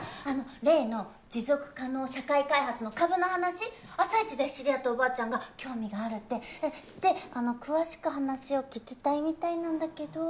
例の持続可能社会開発の株の話朝市で知り合ったおばあちゃんが興味があるって。で詳しく話を聞きたいみたいなんだけど。